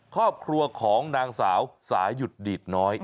ครอบครัวของนางสาวสายุทธ์ดีดน้อย